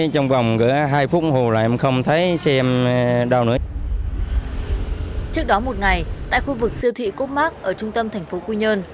trước đó một ngày tại khu vực siêu thị cốt mát ở trung tâm thành phố quy nhơn